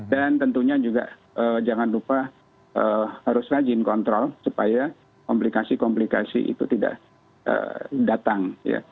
dan tentunya juga jangan lupa harus rajin kontrol supaya komplikasi komplikasi itu tidak datang